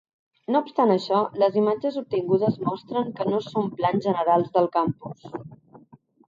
No obstant això, les imatges obtingudes mostren que no són plans generals del campus.